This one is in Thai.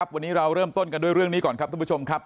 วันนี้เราเริ่มต้นกันด้วยเรื่องนี้ก่อนครับทุกผู้ชมครับ